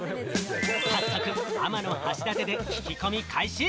早速、天橋立で聞き込み開始！